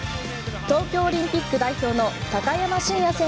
東京オリンピック代表の高山峻野選